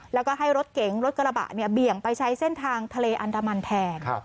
แล้วก็ให้รถเก๋งรถกระบะเนี่ยเบี่ยงไปใช้เส้นทางทะเลอันดามันแทน